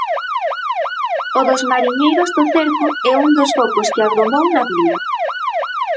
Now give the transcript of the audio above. O dos mariñeiros do cerco é un dos focos que agromou na vila.